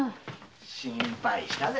心配したぜ。